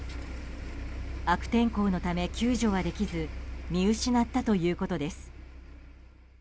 悪天候のため救助はできず見失ったということです。